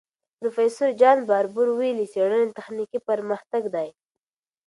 پروفیسور جان باربور ویلي، څېړنه تخنیکي پرمختګ دی.